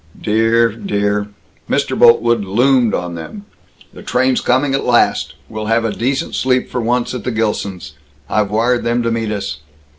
"Dear dear " Mr. Boltwood loomed on them. "The train's coming, at last. We'll have a decent sleep for once, at the Gilsons'. I've wired them to meet us."